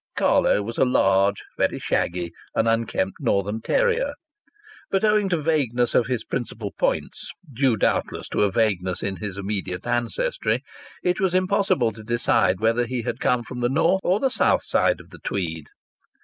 Carlo was a large, very shaggy and unkempt Northern terrier, but owing to vagueness of his principal points, due doubtless to a vagueness in his immediate ancestry, it was impossible to decide whether he had come from the north or the south side of the Tweed.